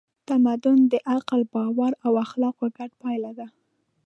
تمدن د عقل، باور او اخلاقو ګډه پایله ده.